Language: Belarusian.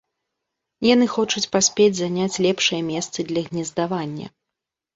Яны хочуць паспець заняць лепшыя месцы для гнездавання.